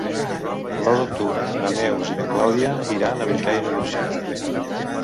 El nou d'octubre na Neus i na Clàudia iran a Bellcaire d'Urgell.